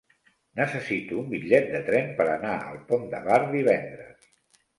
Necessito un bitllet de tren per anar al Pont de Bar divendres.